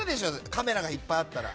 カメラがいっぱいあったら。